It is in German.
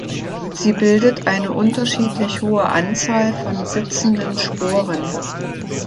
Sie bildet eine unterschiedlich hohe Anzahl von sitzenden Sporen.